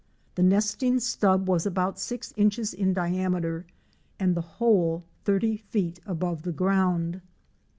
The nesting stub was about six inches in diameter and the hole thirty feet above the ground.